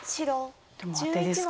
でもアテですか。